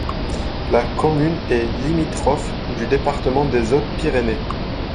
La commune est limitrophe du département des Hautes-Pyrénées.